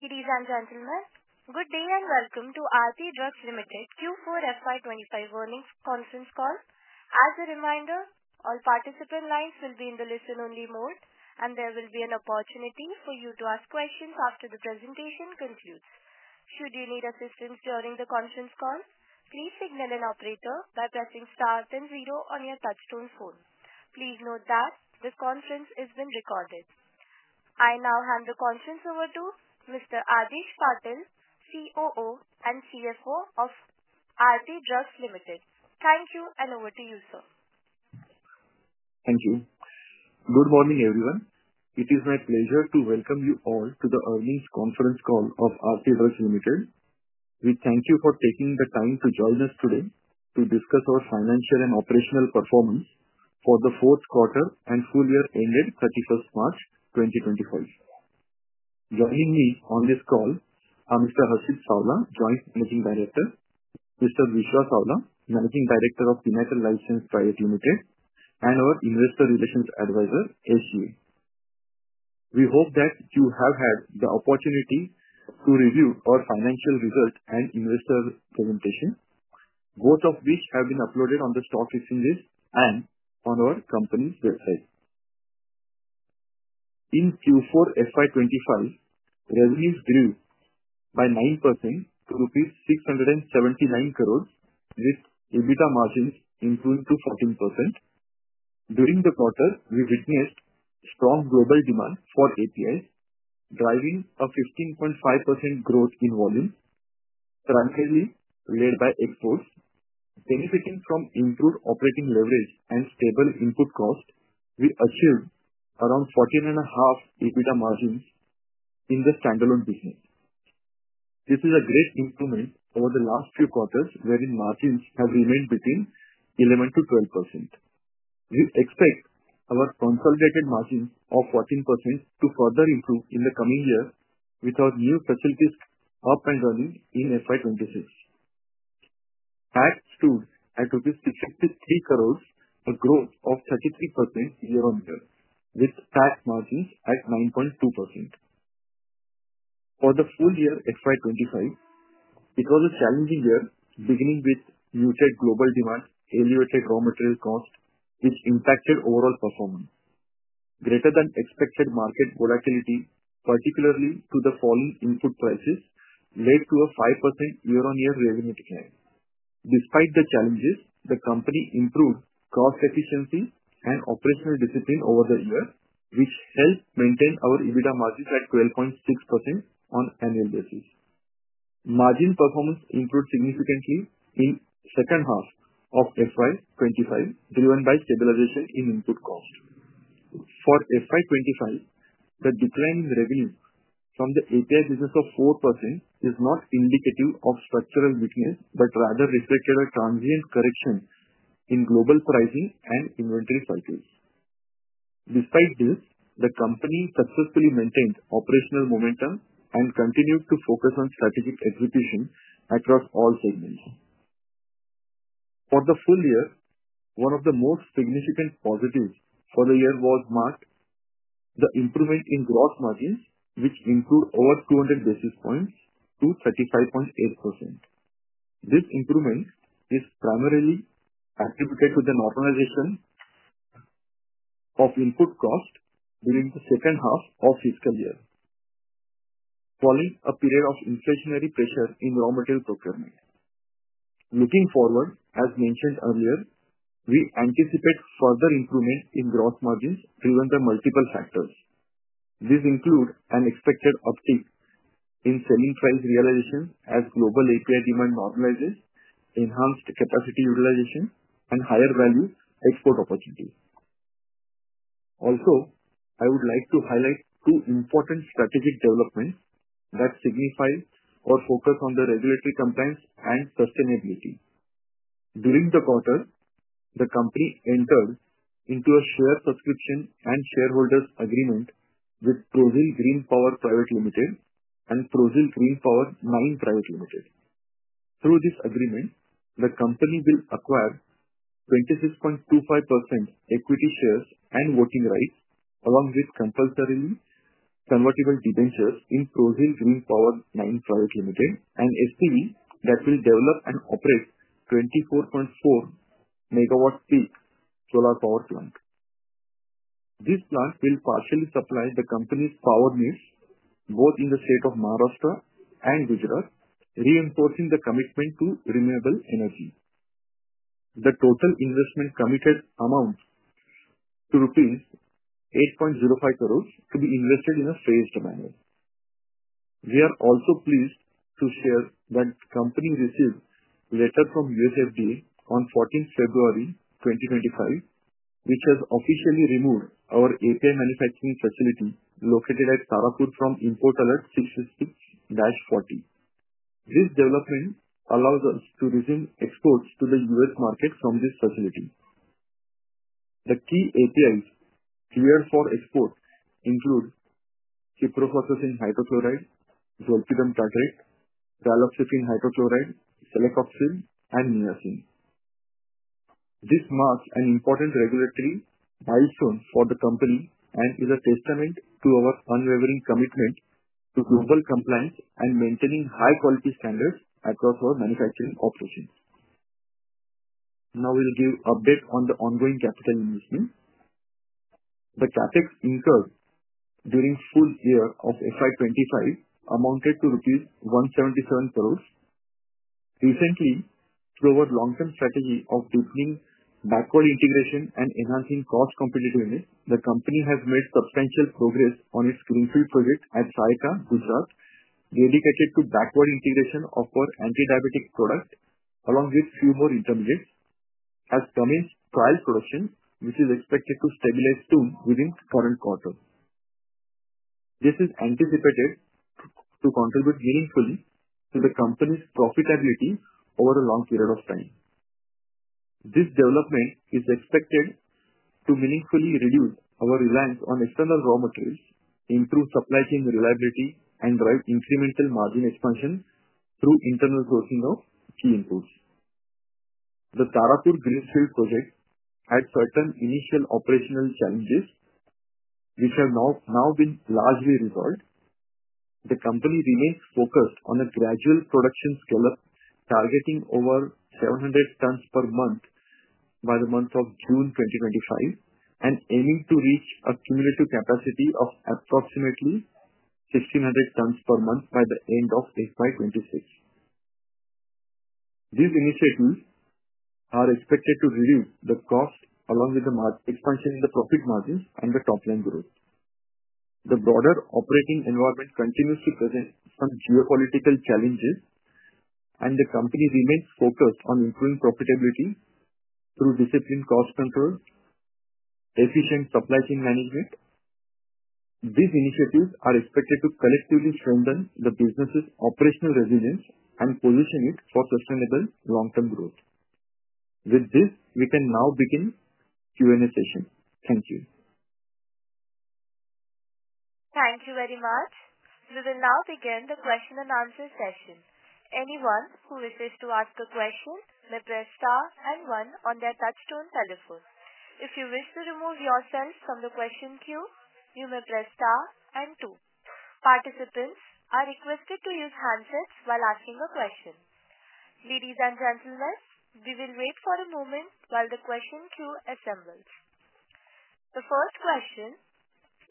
Ladies and gentlemen, good day and welcome to Aarti Drugs Limited Q4 FY25 earnings conference call. As a reminder, all participant lines will be in the listen-only mode, and there will be an opportunity for you to ask questions after the presentation concludes. Should you need assistance during the conference call, please signal an operator by pressing star then zero on your touch-tone phone. Please note that this conference is being recorded. I now hand the conference over to Mr. Adhish Patil, COO and CFO of Aarti Drugs Limited. Thank you, and over to you, sir. Thank you. Good morning, everyone. It is my pleasure to welcome you all to the earnings conference call of Aarti Drugs Limited. We thank you for taking the time to join us today to discuss our financial and operational performance for the fourth quarter and full year ended 31st March 2025. Joining me on this call are Mr. Harshit Savla, Joint Managing Director; Mr. Vishwa Savla, Managing Director of Pinnacle License Private Limited; and our Investor Relations Advisor, S.G. We hope that you have had the opportunity to review our financial result and investor presentation, both of which have been uploaded on the stock exchanges and on our company's website. In Q4 FY25, revenues grew by 9% to rupees 679 crore, with EBITDA margins improving to 14%. During the quarter, we witnessed strong global demand for APIs, driving a 15.5% growth in volume, primarily led by exports. Benefiting from improved operating leverage and stable input cost, we achieved around 14.5% EBITDA margins in the standalone business. This is a great improvement over the last few quarters, wherein margins have remained between 11%-12%. We expect our consolidated margins of 14% to further improve in the coming year with our new facilities up and running in FY 2026. Tax stood at 630,000,000, a growth of 33% year-on-year, with tax margins at 9.2%. For the full year FY 2025, it was a challenging year, beginning with muted global demand, elevated raw material costs, which impacted overall performance. Greater-than-expected market volatility, particularly to the falling input prices, led to a 5% year-on-year revenue decline. Despite the challenges, the company improved cost efficiency and operational discipline over the year, which helped maintain our EBITDA margins at 12.6% on an annual basis. Margin performance improved significantly in the second half of FY 2025, driven by stabilization in input cost. For FY 2025, the decline in revenue from the API business of 4% is not indicative of structural weakness but rather reflected a transient correction in global pricing and inventory cycles. Despite this, the company successfully maintained operational momentum and continued to focus on strategic execution across all segments. For the full year, one of the most significant positives for the year was marked by the improvement in gross margins, which improved over 200 basis points to 35.8%. This improvement is primarily attributed to the normalization of input cost during the second half of fiscal year, following a period of inflationary pressure in raw material procurement. Looking forward, as mentioned earlier, we anticipate further improvement in gross margins driven by multiple factors. These include an expected uptick in selling price realization as global API demand normalizes, enhanced capacity utilization, and higher-value export opportunities. Also, I would like to highlight two important strategic developments that signify our focus on regulatory compliance and sustainability. During the quarter, the company entered into a share subscription and shareholder's agreement with Prozeal Green Power Private Limited and Prozeal Green Power Nine Private Limited. Through this agreement, the company will acquire 26.25% equity shares and voting rights, along with compulsory convertible debentures in Prozeal Green Power Nine Private Limited, an SPV that will develop and operate 24.4 MWp solar power plants. This plant will partially supply the company's power needs both in the state of Maharashtra and Gujarat, reinforcing the commitment to renewable energy. The total investment committed amounts to rupees 8.05 crore to be invested in a phased manner. We are also pleased to share that the company received a letter from USFDA on 14 February 2025, which has officially removed our API manufacturing facility located at Sarigam from import alert 66-40. This development allows us to resume exports to the U.S. market from this facility. The key APIs cleared for export include ciprofloxacin hydrochloride, zolpidem tartrate, raloxifene hydrochloride, celecoxib, and niacin. This marks an important regulatory milestone for the company and is a testament to our unwavering commitment to global compliance and maintaining high-quality standards across our manufacturing operations. Now, we'll give an update on the ongoing capital investment. The CapEx incurred during the full year of FY2025 amounted to INR 177 crore. Recently, through our long-term strategy of deepening backward integration and enhancing cost competitiveness, the company has made substantial progress on its greenfield project at Saykha, Gujarat, dedicated to backward integration of our anti-diabetic product along with a few more intermediates, as well as trial production, which is expected to stabilize soon within the current quarter. This is anticipated to contribute meaningfully to the company's profitability over a long period of time. This development is expected to meaningfully reduce our reliance on external raw materials, improve supply chain reliability, and drive incremental margin expansion through internal sourcing of key inputs. The Tarapur greenfield project had certain initial operational challenges, which have now been largely resolved. The company remains focused on a gradual production scale-up targeting over 700 tons per month by the month of June 2025 and aiming to reach a cumulative capacity of approximately 1,600 tons per month by the end of FY26. These initiatives are expected to reduce the cost along with the margin expansion in the profit margins and the top-line growth. The broader operating environment continues to present some geopolitical challenges, and the company remains focused on improving profitability through disciplined cost control, efficient supply chain management. These initiatives are expected to collectively strengthen the business's operational resilience and position it for sustainable long-term growth. With this, we can now begin the Q&A session. Thank you. Thank you very much. We will now begin the question and answer session. Anyone who wishes to ask a question may press star and one on their touch-tone telephone. If you wish to remove yourself from the question queue, you may press star and two. Participants are requested to use handsets while asking a question. Ladies and gentlemen, we will wait for a moment while the question queue assembles. The first question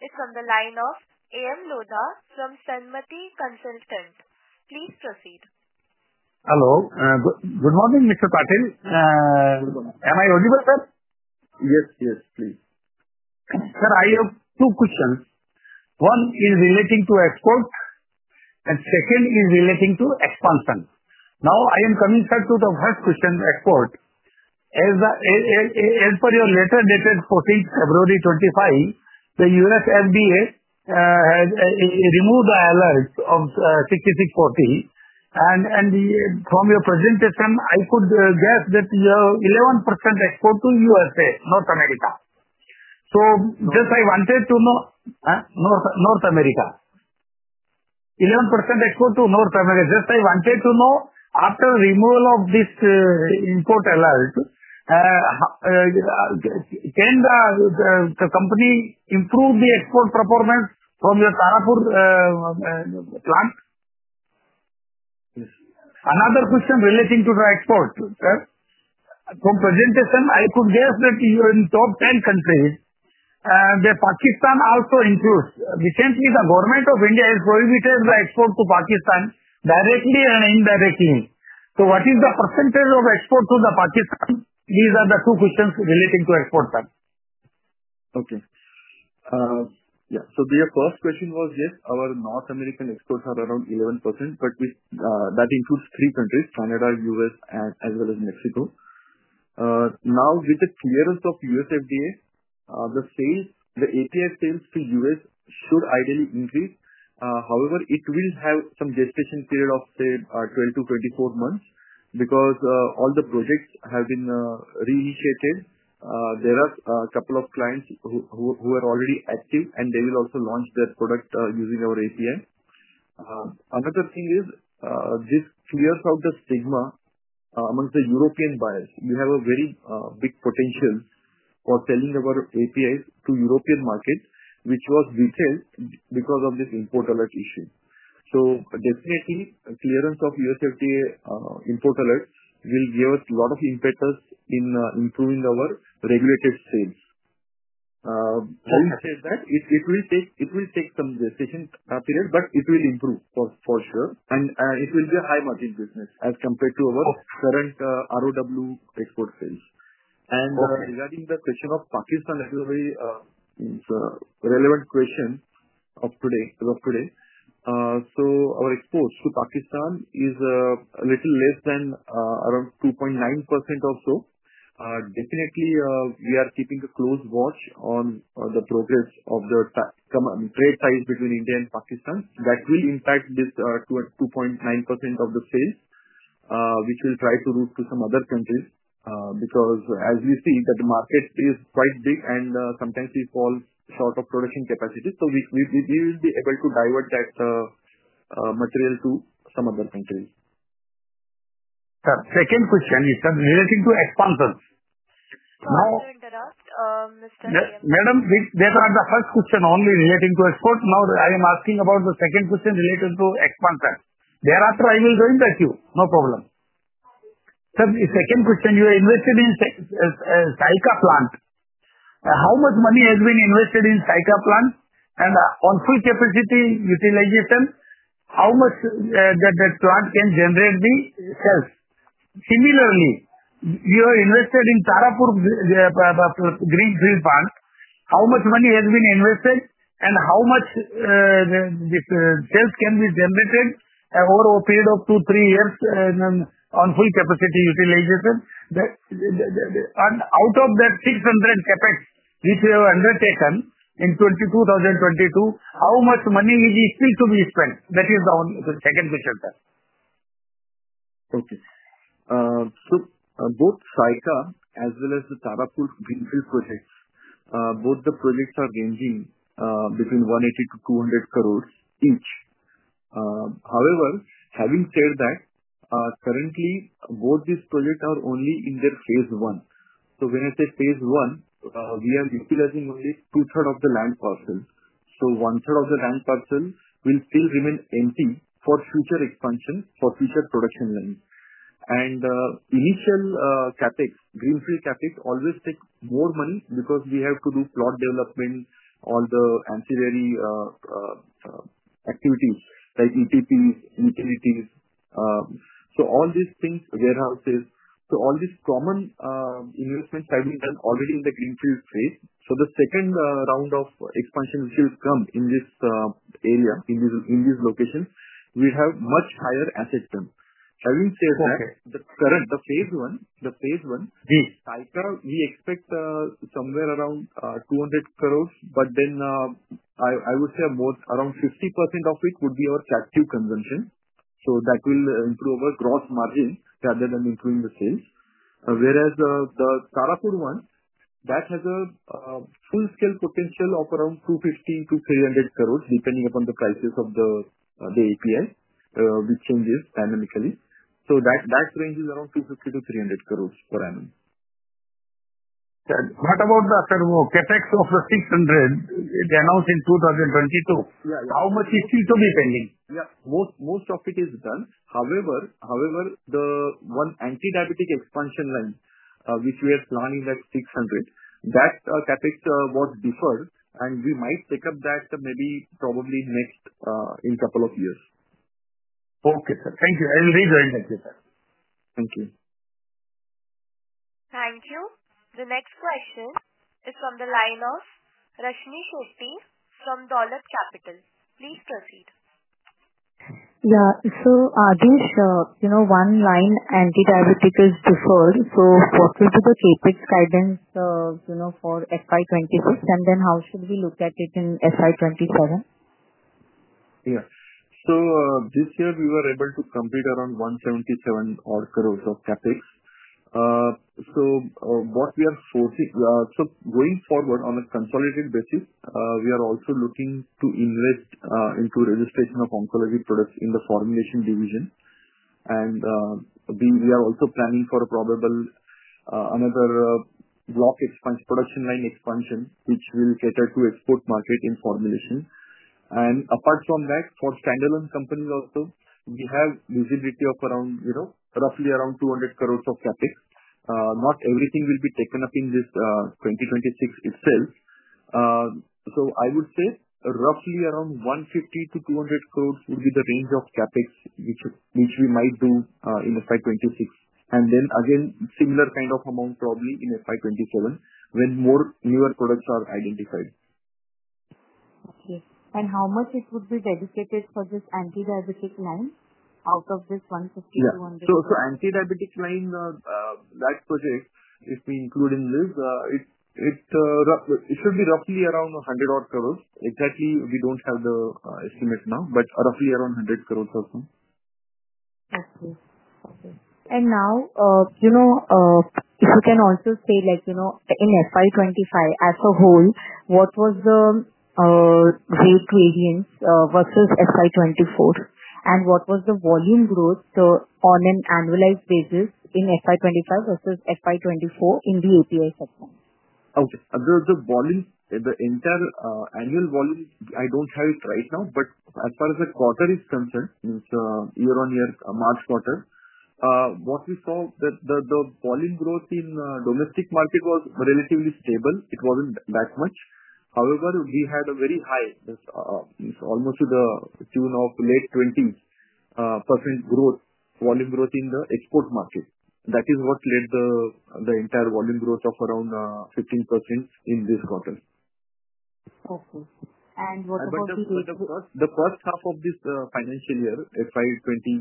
is from the line of A. M. Lodha from Sanmati Consultant. Please proceed. Hello. Good morning, Mr. Patil. Am I audible? Yes, yes, please. Sir, I have two questions. One is relating to export, and second is relating to expansion. Now, I am coming, Sir, to the first question, export. As per your letter dated February 14, 2025, the USFDA has removed the alert of 66-40. And from your presentation, I could guess that you have 11% export to USA, North America. So just I wanted to know, North America, 11% export to North America. Just I wanted to know, after removal of this import alert, can the company improve the export performance from your Tarapur plant? Yes. Another question relating to the export, Sir. From presentation, I could guess that you are in the top 10 countries, and Pakistan also includes. Recently, the government of India has prohibited the export to Pakistan directly and indirectly. So what is the percentage of export to Pakistan? These are the two questions relating to export, Sir. Okay. Yeah. Their first question was, yes, our North American exports are around 11%, but that includes three countries, Canada, U.S., as well as Mexico. Now, with the clearance of USFDA, the API sales to U.S. should ideally increase. However, it will have some gestation period of, say, 12-24 months because all the projects have been reinitiated. There are a couple of clients who are already active, and they will also launch their product using our API. Another thing is this clears out the stigma amongst the European buyers. You have a very big potential for selling our APIs to the European market, which was detailed because of this import alert issue. Definitely, clearance of USFDA import alert will give us a lot of impetus in improving our regulated sales. How much is that? It will take some gestation period, but it will improve for sure. It will be a high-margin business as compared to our current ROW export sales. Regarding the question of Pakistan, that is a very relevant question of today. Our exports to Pakistan is a little less than around 2.9% or so. Definitely, we are keeping a close watch on the progress of the trade ties between India and Pakistan that will impact this 2.9% of the sales, which we'll try to route to some other countries because, as we see, the market is quite big, and sometimes we fall short of production capacity. We will be able to divert that material to some other countries. Sir, second question, Sir, relating to expansion. I'm going to interrupt, Mr. Madam, these are the first questions only relating to export. Now, I am asking about the second question related to expansion. Thereafter, I will join back you. No problem. Sir, the second question, you invested in Saykha plant. How much money has been invested in Saykha plant? On full capacity utilization, how much that plant can generate the sales? Similarly, you invested in Tarapur greenfield plant. How much money has been invested, and how much sales can be generated over a period of two, three years on full capacity utilization? Out of that 600 million capex which you have undertaken in 2022, how much money is still to be spent? That is the second question, Sir. Okay. So both Saykha as well as the Tarapur greenfield projects, both the projects are ranging between 180 crore-200 crore each. However, having said that, currently, both these projects are only in their phase one. When I say phase one, we are utilizing only two-thirds of the land parcel. One-third of the land parcel will still remain empty for future expansion, for future production lines. Initial CapEx, greenfield CapEx, always takes more money because we have to do plot development, all the ancillary activities like ETPs, utilities. All these things, warehouses. All these common investments have been done already in the greenfield phase. The second round of expansion which will come in this area, in these locations, will have much higher asset term. Having said that, the current phase one, the phase one, Saykha, we expect somewhere around 2,000,000,000, but then I would say around 50% of it would be our captive consumption. So that will improve our gross margin rather than improving the sales. Whereas the Tarapur one, that has a full-scale potential of around 2,500,000,000-3,000,000,000, depending upon the prices of the API, which changes dynamically. So that ranges around 2,500,000,000-3,000,000,000 per annum. What about the CapEx of the 600 million announced in 2022? How much is still to be pending? Yeah. Most of it is done. However, the one anti-diabetic expansion line, which we are planning at 600, that CapEx was deferred, and we might pick up that maybe probably next in a couple of years. Okay, Sir. Thank you. I will rejoin back you, Sir. Thank you. Thank you. The next question is from the line of Rashmmi Shetty from dolat Capital. Please proceed. Yeah. So Adish, one line anti-diabetic is deferred. What will be the CapEx guidance for FY 2026, and then how should we look at it in FY 2027? Yeah. This year, we were able to complete around 177 crore of CapEx. What we are foreseeing going forward on a consolidated basis, we are also looking to invest into registration of oncology products in the formulation division. We are also planning for another block production line expansion, which will cater to the export market in formulation. Apart from that, for standalone companies also, we have visibility of roughly around 200 crore of CapEx. Not everything will be taken up in 2026 itself. I would say roughly around 150-200 crore would be the range of CapEx which we might do in FY2026. Then again, similar kind of amount probably in FY2027 when more newer products are identified. Okay. How much would be dedicated for this anti-diabetic line out of this 150-200? Yeah. So anti-diabetic line, that project, if we include in this, it should be roughly around 1,000,000,000. Exactly, we don't have the estimate now, but roughly around INR 1,000,000,000 or so. Okay. Okay. If you can also say, in FY 2025 as a whole, what was the rate variance versus FY 2024? What was the volume growth on an annualized basis in FY 2025 versus FY 2024 in the API segment? Okay. The volume, the entire annual volume, I do not have it right now, but as far as the quarter is concerned, means year-on-year March quarter, what we saw, the volume growth in the domestic market was relatively stable. It was not that much. However, we had a very high, almost to the tune of late 20s % growth, volume growth in the export market. That is what led the entire volume growth of around 15% in this quarter. Okay. And what about the? The first half of this financial year, FY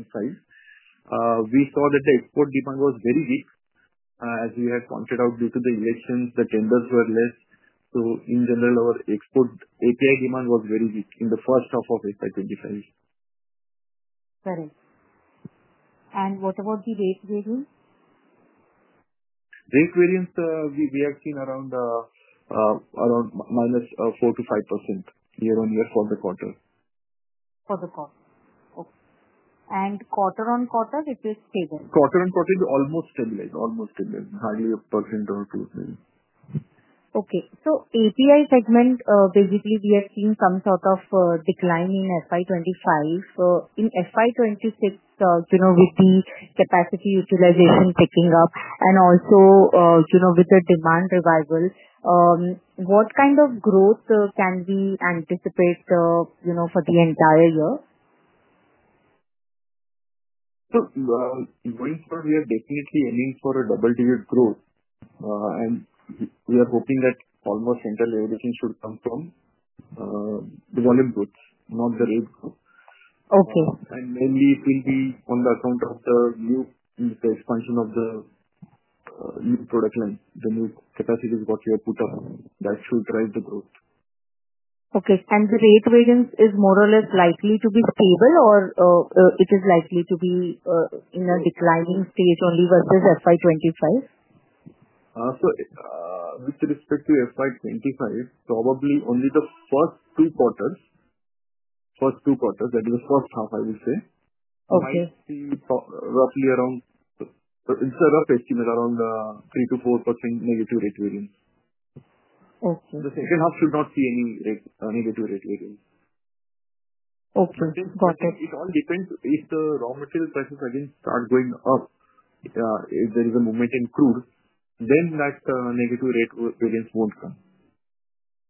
2025, we saw that the export demand was very weak as we had pointed out due to the elections. The tenders were less. In general, our export API demand was very weak in the first half of FY 2025. Correct. What about the rate variance? Rate variance, we have seen around -4% to -5% year-on-year for the quarter. For the quarter. Okay. Quarter-on-quarter, it is stable? Quarter-on-quarter, it's almost stabilized, hardly a percent or two. Okay. API segment, basically, we have seen some sort of decline in FY 2025. In FY 2026, with the capacity utilization picking up and also with the demand revival, what kind of growth can we anticipate for the entire year? Going forward, we are definitely aiming for double-digit growth. We are hoping that almost central everything should come from the volume growth, not the rate growth. Mainly, it will be on account of the new expansion of the new product line, the new capacities we have put up. That should drive the growth. Okay. The rate variance is more or less likely to be stable, or it is likely to be in a declining stage only versus FY2025? With respect to FY25, probably only the first two quarters, that is the first half, I would say, we might see roughly around, it's a rough estimate, around 3-4% negative rate variance. The second half should not see any negative rate variance. Okay. Got it. It all depends. If the raw material prices again start going up, if there is a movement in crude, then that negative rate variance won't come.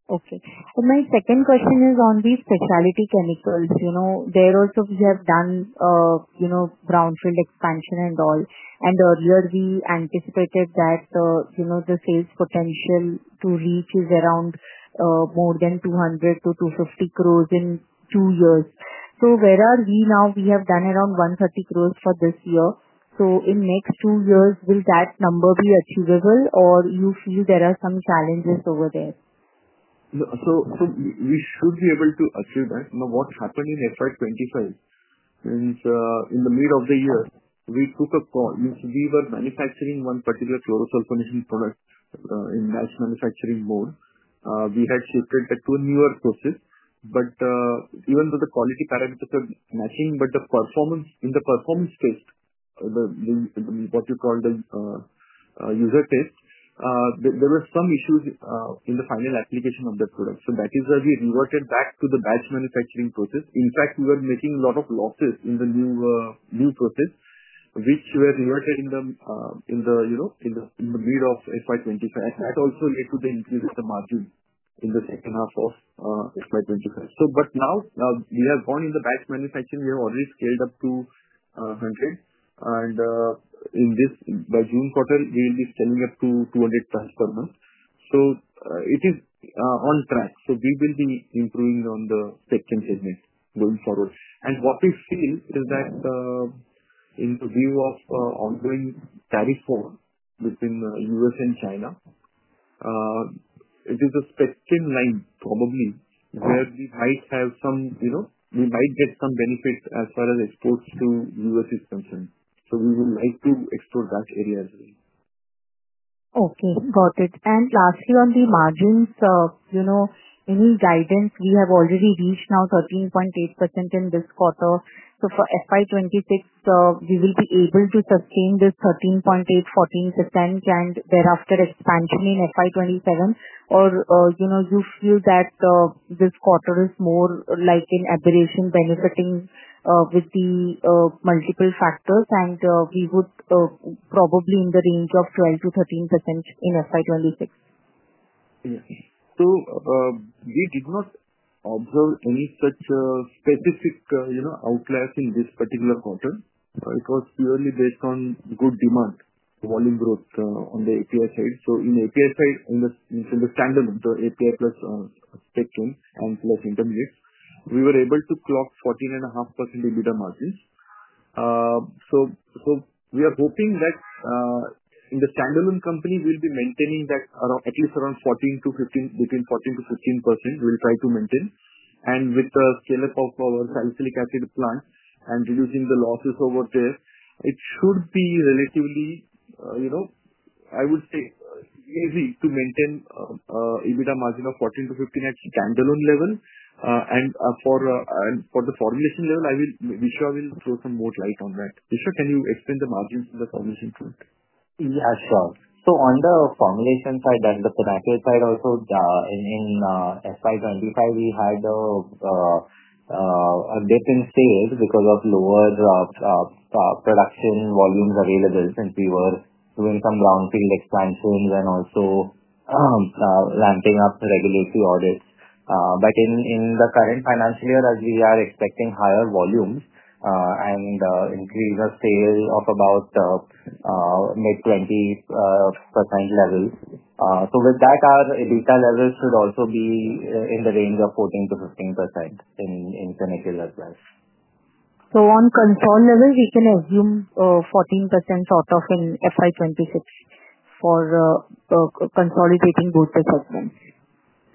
Okay. My second question is on these specialty chemicals. There also, we have done brownfield expansion and all. Earlier, we anticipated that the sales potential to reach is around more than 2.0 billion-2.5 billion in two years. Where are we now? We have done around 1.3 billion for this year. In the next two years, will that number be achievable, or do you feel there are some challenges over there? We should be able to achieve that. Now, what happened in FY 2025 is in the middle of the year, we took a call. We were manufacturing one particular fluorosulfonation product in batch manufacturing mode. We had shifted to a newer process. Even though the quality parameters were matching, in the performance test, what you call the user test, there were some issues in the final application of the product. That is why we reverted back to the batch manufacturing process. In fact, we were making a lot of losses in the new process, which were reverted in the middle of FY 2025. That also led to the increase of the margin in the second half of FY 2025. Now, we have gone in the batch manufacturing. We have already scaled up to 100. By June quarter, we will be scaling up to 200 plants per month. It is on track. We will be improving on the spectrum segment going forward. What we feel is that in the view of ongoing tariff war between the U.S. and China, it is a spectrum line probably where we might have some, we might get some benefit as far as exports to the U.S. are concerned. We would like to explore that area as well. Okay. Got it. Lastly, on the margins, any guidance? We have already reached now 13.8% in this quarter. For FY 2026, will we be able to sustain this 13.8-14%, and thereafter expansion in FY 2027? Or do you feel that this quarter is more like an aberration benefiting with the multiple factors, and we would probably be in the range of 12-13% in FY 2026? We did not observe any such specific outliers in this particular quarter. It was purely based on good demand, volume growth on the API side. In the API side, in the standalone, the API plus spectrum and plus intermediates, we were able to clock 14.5% EBITDA margins. We are hoping that in the standalone company, we will be maintaining that at least around 14-15%. We will try to maintain. With the scale-up of our salicylic acid plant and reducing the losses over there, it should be relatively, I would say, easy to maintain an EBITDA margin of 14-15% at standalone level. For the formulation level, I will be sure I will throw some more light on that. Vishwa, can you explain the margins in the formulation front? Yeah, sure. So on the formulation side and the tenacious side also, in FY 2025, we had a dip in sales because of lower production volumes available since we were doing some brownfield expansions and also ramping up the regulatory audits. In the current financial year, as we are expecting higher volumes and an increase of sales of about mid-20% levels, with that, our EBITDA levels should also be in the range of 14-15% in clinical as well. On control level, we can assume 14% sort of in FY 2026 for consolidating both the segments?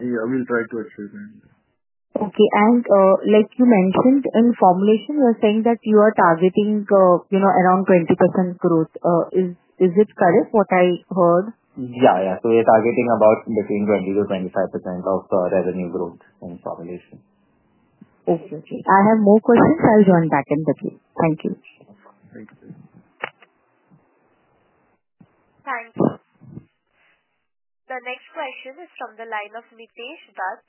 Yeah. We'll try to achieve that. Okay. Like you mentioned, in formulation, you're saying that you are targeting around 20% growth. Is it correct, what I heard? Yeah. Yeah. So we are targeting about between 20-25% of revenue growth in formulation. Okay. Okay. I have more questions. I'll join back in a bit. Thank you. Thank you. The next question is from the line of Mitesh Dutt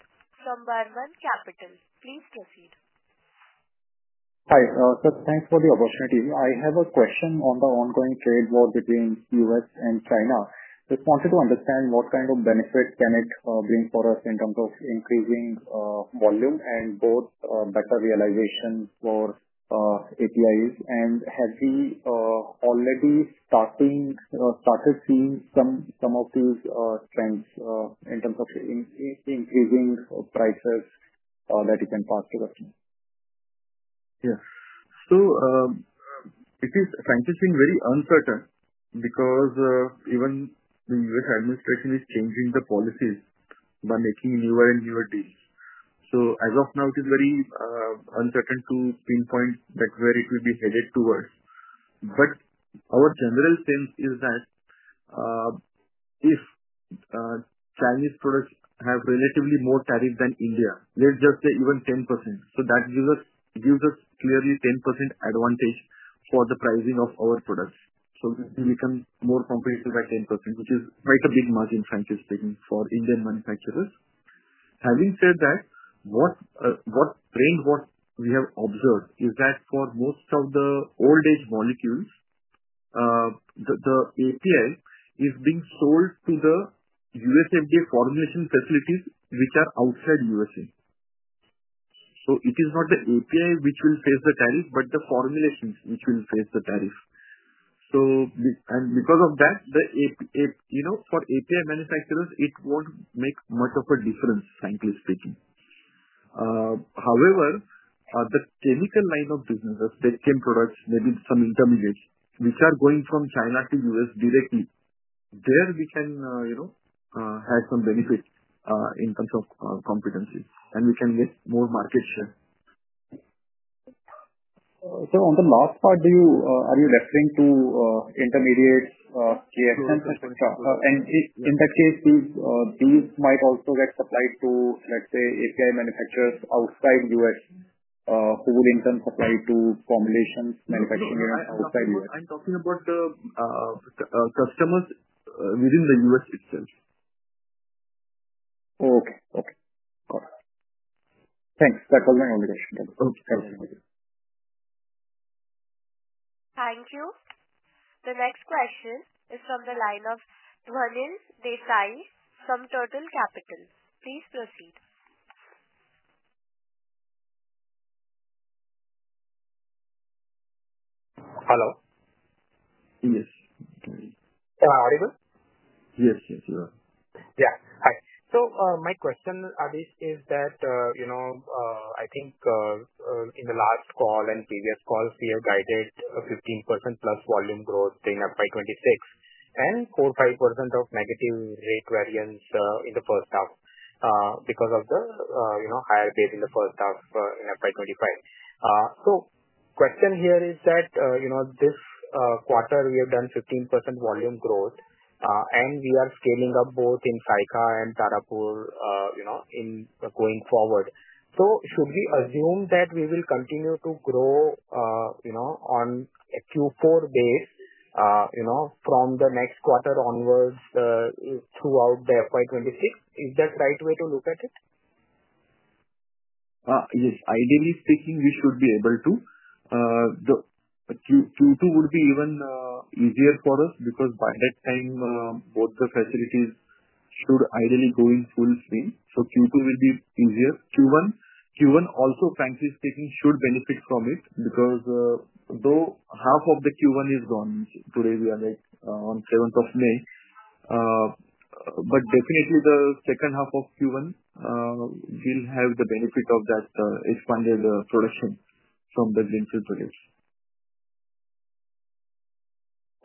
from Varman Capital. Please proceed. Hi. Thanks for the opportunity. I have a question on the ongoing trade war between the U.S. and China. Just wanted to understand what kind of benefit can it bring for us in terms of increasing volume and both better realization for APIs? Have we already started seeing some of these trends in terms of increasing prices that you can pass to the customer? Yes. It is, frankly, still very uncertain because even the U.S. administration is changing the policies by making newer and newer deals. As of now, it is very uncertain to pinpoint where it will be headed towards. Our general sense is that if Chinese products have relatively more tariffs than India, let's just say even 10%, that gives us clearly a 10% advantage for the pricing of our products. We become more competitive at 10%, which is quite a big margin, frankly speaking, for Indian manufacturers. Having said that, what trend we have observed is that for most of the old-age molecules, the API is being sold to the U.S. FDA formulation facilities which are outside the U.S.A. It is not the API which will face the tariff, but the formulations which will face the tariff. Because of that, for API manufacturers, it won't make much of a difference, frankly speaking. However, the chemical line of business, the spectrum products, maybe some intermediates, which are going from China to the U.S. directly, there we can have some benefit in terms of competency, and we can get more market share. Are you referring to intermediates, KSMs, etc.? And in that case, these might also get supplied to, let's say, API manufacturers outside the U.S. who will in turn supply to formulation manufacturing units outside the U.S.? I'm talking about customers within the U.S. itself. Okay. Okay. Got it. Thanks. That was my only question. Okay. Thank you. Thank you. The next question is from the line of Dhwanil Desai from Turtle Capital. Please proceed. Hello? Yes. Am I audible? Yes. Yes. You are. Yeah. Hi. So my question, Adish, is that I think in the last call and previous calls, we have guided a 15% plus volume growth in FY2026 and 4-5% of negative rate variance in the first half because of the higher base in the first half in FY2025. The question here is that this quarter, we have done 15% volume growth, and we are scaling up both in Saykha and Tarapur going forward. Should we assume that we will continue to grow on a Q4 base from the next quarter onwards throughout FY2026? Is that the right way to look at it? Yes. Ideally speaking, we should be able to. Q2 would be even easier for us because by that time, both the facilities should ideally be going full speed. Q2 will be easier. Q1, also, frankly speaking, should benefit from it because though half of the Q1 is gone today, we are on the 7th of May. Definitely, the second half of Q1 will have the benefit of that expanded production from the greenfield products.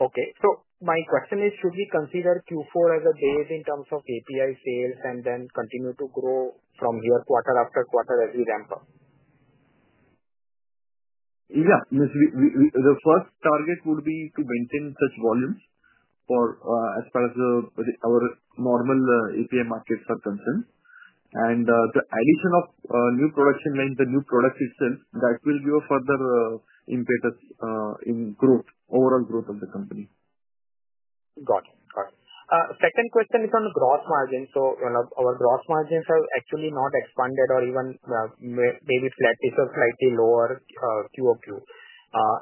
Okay. So my question is, should we consider Q4 as a base in terms of API sales and then continue to grow from here quarter after quarter as we ramp up? Yeah. The first target would be to maintain such volumes as far as our normal API markets are concerned. The addition of new production lines, the new products itself, that will give a further impetus in overall growth of the company. Got it. Got it. Second question is on the gross margin. Our gross margins have actually not expanded or even maybe it's slightly lower quarter over quarter.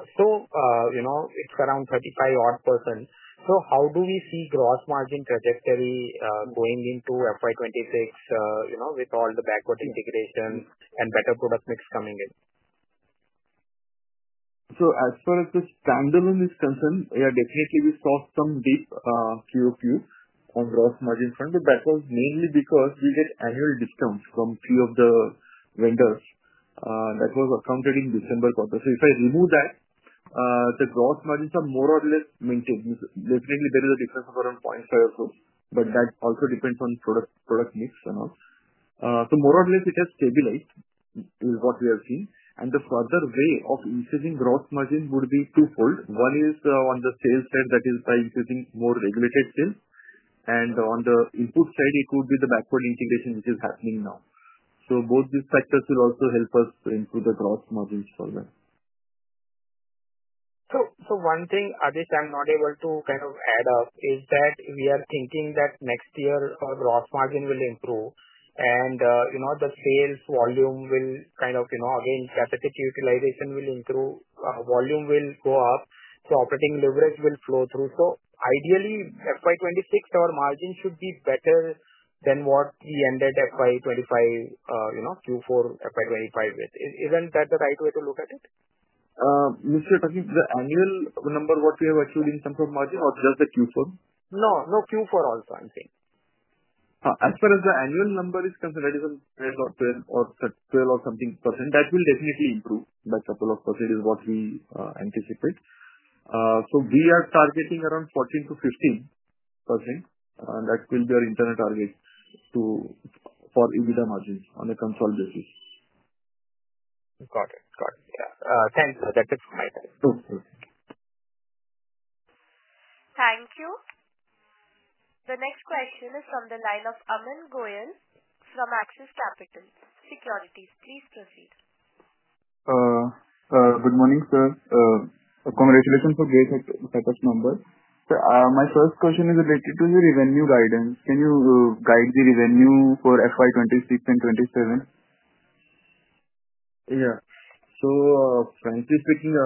It's around 35-odd %. How do we see the gross margin trajectory going into FY 2026 with all the backward integration and better product mix coming in? As far as the standalone is concerned, yeah, definitely, we saw some dip Q-of-Q on the gross margin front. That was mainly because we get annual discounts from a few of the vendors that were accounted in December quarter. If I remove that, the gross margins are more or less maintained. Definitely, there is a difference of around 0.5 or so. That also depends on product mix and all. More or less, it has stabilized is what we have seen. The further way of increasing gross margin would be twofold. One is on the sales side, that is by increasing more regulated sales. On the input side, it would be the backward integration which is happening now. Both these factors will also help us to improve the gross margins further. One thing, Adish, I'm not able to kind of add up is that we are thinking that next year, our gross margin will improve, and the sales volume will kind of, again, capacity utilization will improve, volume will go up, so operating leverage will flow through. Ideally, FY 2026, our margin should be better than what we ended FY 2025, Q4 FY 2025 with. Isn't that the right way to look at it? Mr. Druki, the annual number, what we have actually in terms of margin or just the Q4? No. No. Q4 also, I'm saying. As far as the annual number is concerned, that is 12% or something. That will definitely improve by a couple of percent is what we anticipate. So we are targeting around 14%-15%. That will be our internal target for EBITDA margins on a consolidated basis. Got it. Got it. Yeah. Thanks. That's it from my side. Okay. Thank you. The next question is from the line of Aamin Goyal from Aarti Capital Securities. Please proceed. Good morning, sir. Congratulations for getting such a number. My first question is related to the revenue guidance. Can you guide the revenue for FY2026 and FY2027? Yeah. So frankly speaking,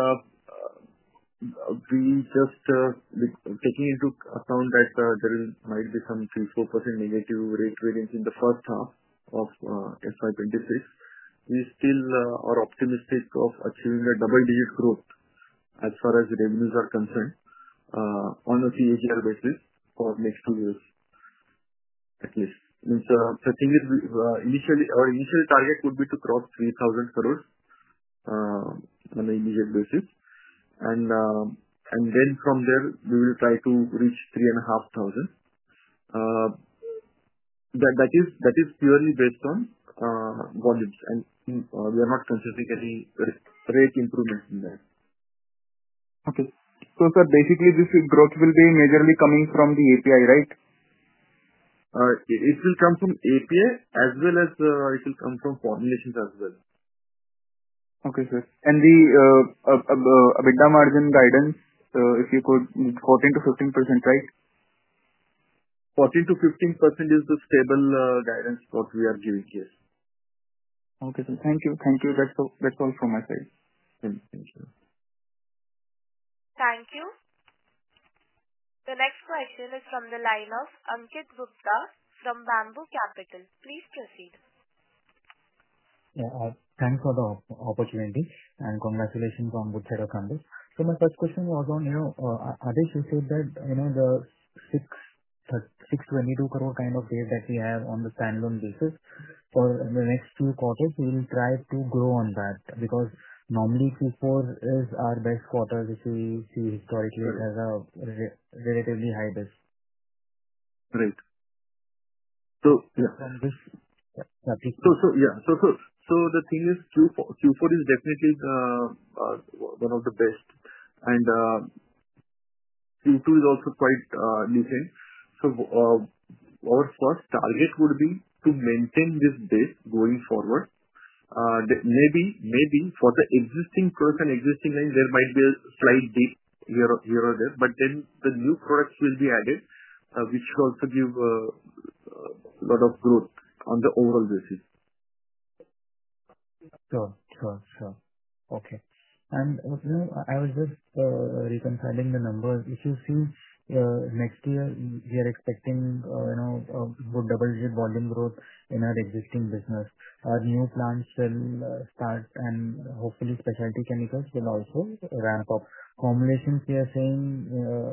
we just, taking into account that there might be some 3-4% negative rate variance in the first half of FY2026, we still are optimistic of achieving a double-digit growth as far as revenues are concerned on a CAGR basis for the next two years at least. I think our initial target would be to cross 3,000 crore on an immediate basis. From there, we will try to reach 3,500 crore. That is purely based on volumes, and we are not considering any rate improvements in that. Okay. So sir, basically, this growth will be majorly coming from the API, right? It will come from API as well as it will come from formulations as well. Okay, sir. And the EBITDA margin guidance, if you could, 14-15%, right? 14-15% is the stable guidance what we are giving, yes. Okay, sir. Thank you. Thank you. That's all from my side. Thank you. Thank you. The next question is from the line of Ankit Gupta from Bamboo Capital. Please proceed. Yeah. Thanks for the opportunity. Congratulations on the bootleg of candles. My first question was on, Adhish, you said that the 622 crore kind of rate that we have on the standalone basis for the next few quarters, we will try to grow on that because normally Q4 is our best quarter if we see historically as a relatively high base. Right. So yeah. So this. Yeah. The thing is Q4 is definitely one of the best, and Q2 is also quite decent. Our first target would be to maintain this base going forward. Maybe for the existing products and existing lines, there might be a slight dip here or there, but then the new products will be added, which should also give a lot of growth on the overall basis. Sure. Okay. I was just reconciling the numbers. If you see, next year, we are expecting a good double-digit volume growth in our existing business. Our new plants will start, and hopefully, specialty chemicals will also ramp up. Formulations, we are seeing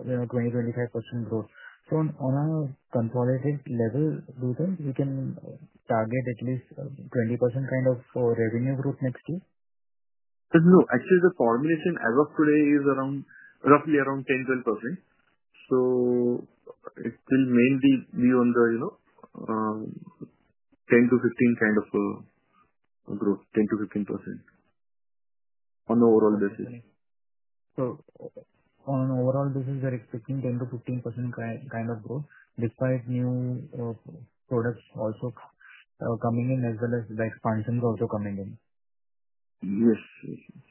20%-25% growth. On a consolidated level, do you think we can target at least 20% kind of revenue growth next year? No. Actually, the formulation as of today is roughly around 10-12%. So it will mainly be on the 10-15% kind of growth, 10-15% on the overall basis. On an overall basis, we are expecting 10-15% kind of growth despite new products also coming in as well as the expansions also coming in. Yes. Yes. Yes.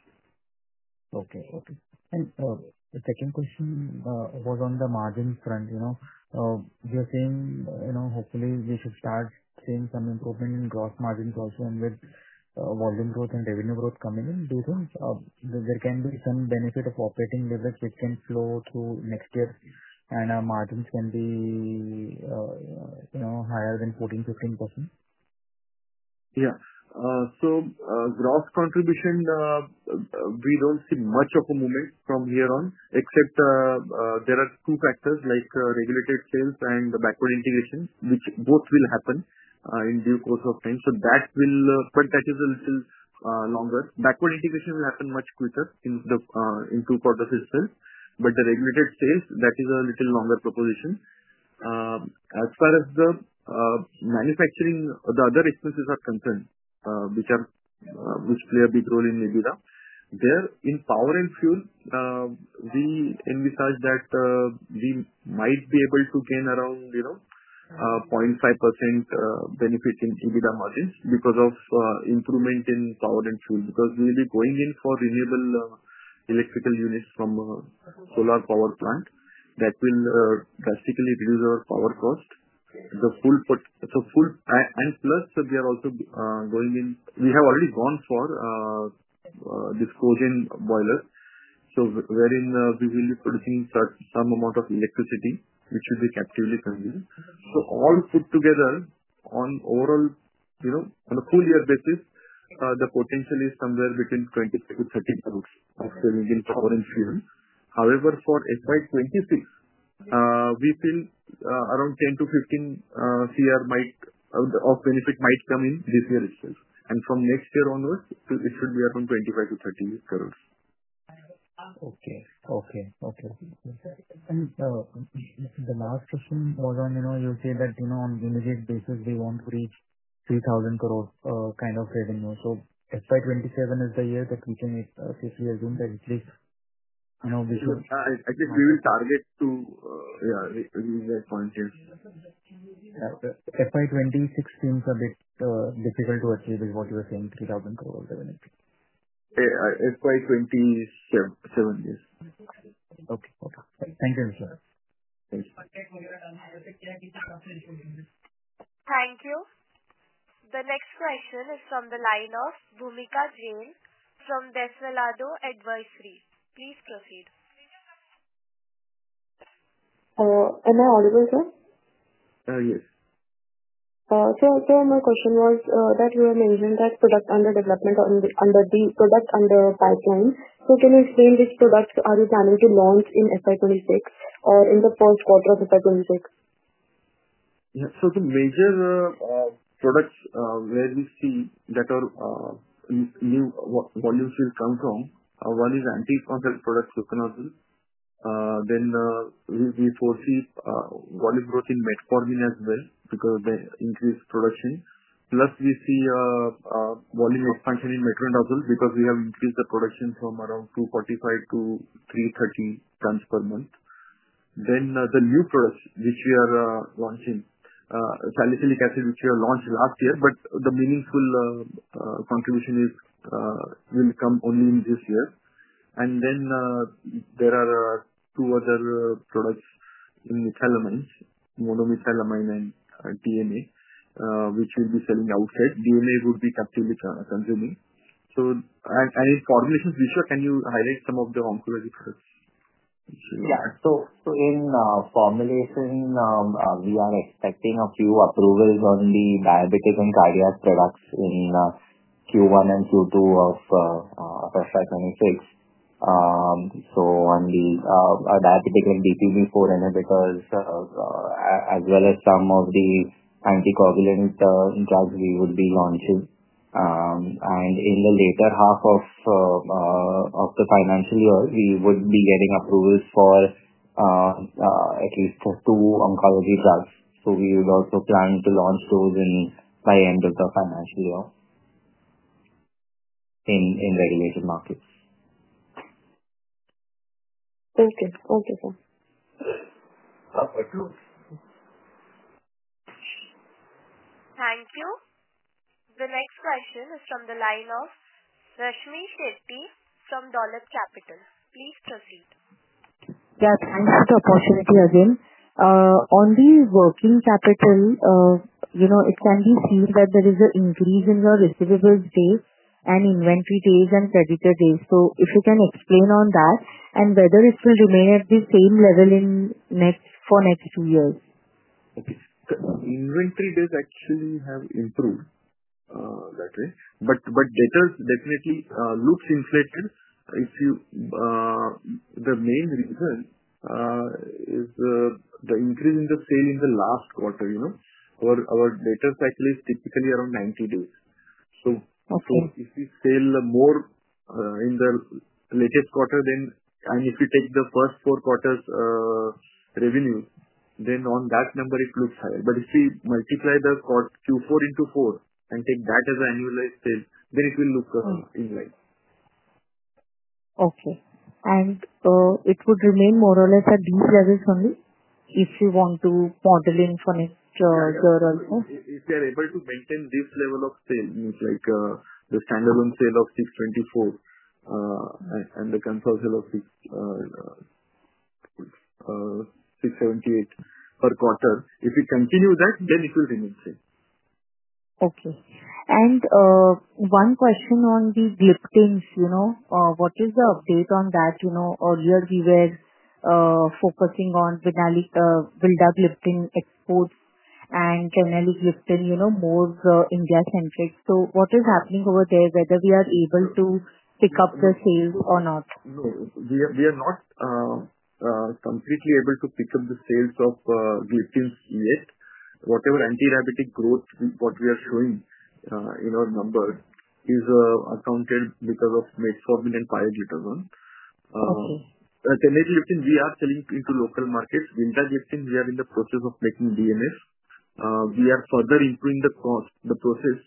Okay. Okay. The second question was on the margin front. We are saying hopefully, we should start seeing some improvement in gross margins also with volume growth and revenue growth coming in. Do you think there can be some benefit of operating leverage which can flow through next year and our margins can be higher than 14-15%? Yeah. So gross contribution, we do not see much of a movement from here on, except there are two factors like regulated sales and the backward integration, which both will happen in due course of time. That will, but that is a little longer. Backward integration will happen much quicker in two quarters itself. The regulated sales, that is a little longer proposition. As far as the manufacturing, the other expenses are concerned, which play a big role in EBITDA, there in power and fuel, we envisage that we might be able to gain around 0.5% benefit in EBITDA margins because of improvement in power and fuel because we will be going in for renewable electrical units from a solar power plant. That will drastically reduce our power cost. Plus, we are also going in, we have already gone for disclosing boilers. Wherein we will be producing some amount of electricity, which will be captively consumed. All put together, on an overall, on a full year basis, the potential is somewhere between 250 million-300 million of saving in power and fuel. However, for FY2026, we feel around 100 million-150 million of benefit might come in this year itself. From next year onwards, it should be around 250 million-300 million. Okay. Okay. Okay. The last question was on, you said that on an immediate basis, we want to reach 3,000 crore kind of revenue. FY2027 is the year that we can safely assume that at least we should. At least we will target to, yeah, reach that point, yes. FY2026 seems a bit difficult to achieve with what you were saying, 3,000 crore of revenue. FY27, yes. Okay. Okay. Thank you, Mr. Thank you. The next question is from the line of Bhumika Jain from Desvelado Advisory. Please proceed. Am I audible here? Yes. My question was that you were mentioning that product under development, under the product under pipeline. Can you explain which products are you planning to launch in FY 2026 or in the first quarter of FY 2026? Yeah. The major products where we see that our new volumes will come from, one is anti-consult products, coconut oil. We foresee volume growth in metformin as well because they increased production. Plus, we see volume expansion in metronidazole because we have increased the production from around 245 to 330 tons per month. The new products which we are launching, salicylic acid, which we launched last year, but the meaningful contribution will come only in this year. There are two other products in methylamides, monomethylamide and DMA, which we will be selling outside. DMA would be captively consuming. I mean, formulations, Vishwa, can you highlight some of the oncology products? Yeah. So in formulation, we are expecting a few approvals on the diabetic and cardiac products in Q1 and Q2 of FY2026. On the diabetic and DPP-4 inhibitors, as well as some of the anticoagulant drugs, we would be launching. In the later half of the financial year, we would be getting approvals for at least two oncology drugs. We would also plan to launch those by the end of the financial year in regulated markets. Thank you. Thank you, sir. Thank you. The next question is from the line of Rashmmi Shetty from dolat Capital. Please proceed. Yeah. Thanks for the opportunity again. On the working capital, it can be seen that there is an increase in your receivables days and inventory days and creditor days. If you can explain on that and whether it will remain at the same level for the next two years. Okay. Inventory days actually have improved that way. Data definitely looks inflated. The main reason is the increase in the sale in the last quarter. Our data cycle is typically around 90 days. If we sell more in the latest quarter, then if you take the first four quarters revenue, then on that number, it looks higher. If we multiply the Q4 into 4 and take that as an annualized sale, then it will look in line. Okay. It would remain more or less at these levels only if you want to model in for next year also? If we are able to maintain this level of sale, means like the standalone sale of 624 million and the consolidated sale of 678 million per quarter, if we continue that, then it will remain the same. Okay. One question on the Gliptins. What is the update on that? Earlier, we were focusing on Vildagliptin exports and generic Gliptin, more India-centric. What is happening over there, whether we are able to pick up the sales or not? No. We are not completely able to pick up the sales of Gliptins yet. Whatever anti-diabetic growth, what we are showing in our number, is accounted because of metformin and pioglitazone. Generic Gliptin, we are selling into local markets. Vildagliptin, we are in the process of making DMF. We are further improving the process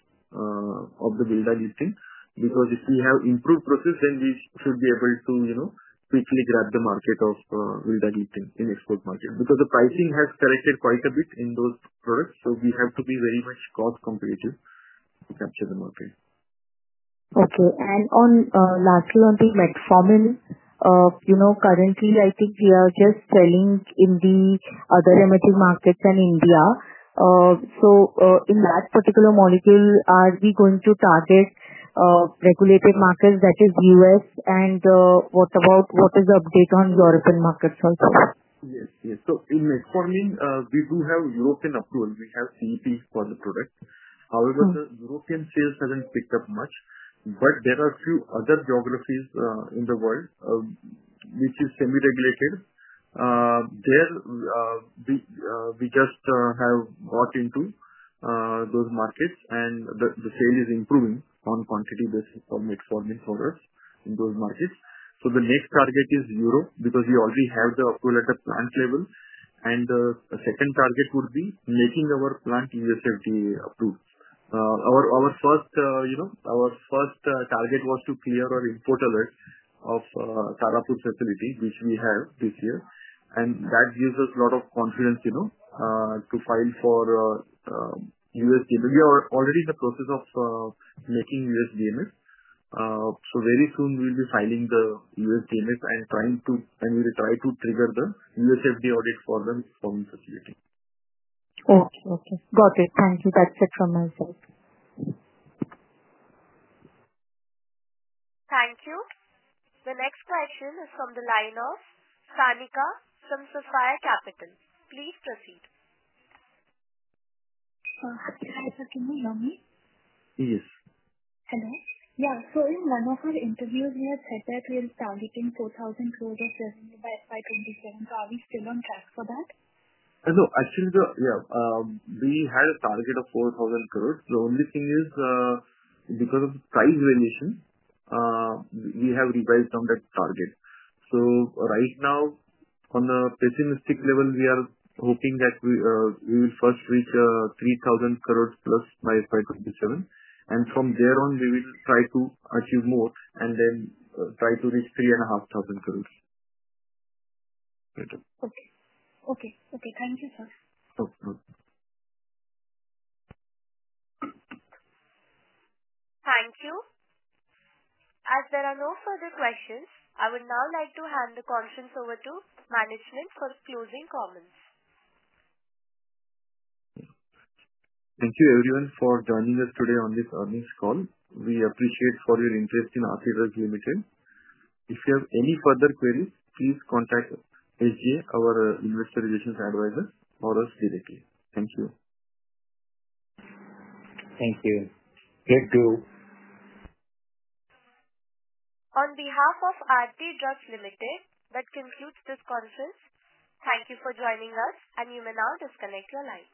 of the Vildagliptin because if we have improved process, then we should be able to quickly grab the market of Vildagliptin in export market because the pricing has corrected quite a bit in those products. We have to be very much cost-competitive to capture the market. Okay. Lastly, on the metformin, currently, I think we are just selling in the other emerging markets and India. In that particular molecule, are we going to target regulated markets, that is U.S.? What is the update on European markets also? Yes. Yes. In metformin, we do have European approval. We have CEP for the product. However, the European sales have not picked up much. There are a few other geographies in the world, which are semi-regulated. There, we just have got into those markets, and the sale is improving on quantity basis for metformin for us in those markets. The next target is Europe because we already have the approval at the plant level. The second target would be making our plant USFDA approved. Our first target was to clear our import alert of Tarapur facility, which we have this year. That gives us a lot of confidence to file for USFDA. We are already in the process of making USFDA MIP. Very soon, we'll be filing the USFDA MIP and trying to, and we will try to trigger the USFDA audit for the metformin facility. Okay. Okay. Got it. Thank you. That's it from my side. Thank you. The next question is from the line of Sanika from Sophia Capital. Please proceed. Hi, Sir. Can you hear me? Yes. Hello? Yeah. In one of our interviews, we had said that we are targeting 4,000 crore of revenue by FY 2027. Are we still on track for that? No. Actually, yeah. We had a target of 4,000 crore. The only thing is, because of the price variation, we have revised on that target. Right now, on a pessimistic level, we are hoping that we will first reach 3,000 crore plus by FY2027. From there on, we will try to achieve more and then try to reach 3,500 crore. Okay. Thank you, sir. No problem. Thank you. As there are no further questions, I would now like to hand the conference over to management for closing comments. Thank you, everyone, for joining us today on this earnings call. We appreciate your interest in Aarti Drugs Limited. If you have any further queries, please contact SG, our investor relations advisor, or us directly. Thank you. Thank you. Good too. On behalf of Aarti Drugs Limited, that concludes this conference. Thank you for joining us, and you may now disconnect your line.